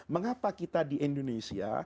mengapa kita di indonesia